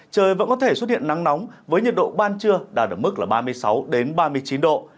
trời vẫn có thể xuất hiện nắng nóng với nhiệt độ ban trưa đạt được mức là ba mươi sáu ba mươi chín độ